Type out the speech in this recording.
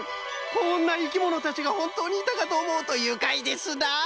こんないきものたちがほんとうにいたかとおもうとゆかいですな。